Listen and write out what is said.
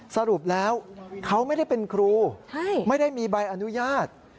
สรุปแล้วเขาไม่ได้เป็นครูไม่ได้มีใบอนุญาต